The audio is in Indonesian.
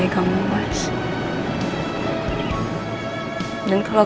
dia sudah berubah